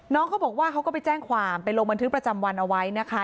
น้องเขาบอกว่าเขาก็ไปแจ้งความไปลงบันทึกประจำวันเอาไว้นะคะ